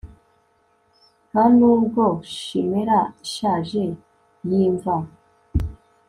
ntanubwo chimera ishaje yimva